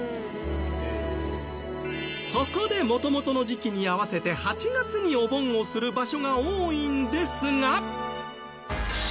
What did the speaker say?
そこで元々の時期に合わせて８月にお盆をする場所が多いんですが。